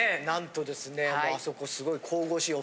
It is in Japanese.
なんとですねあそこすごい。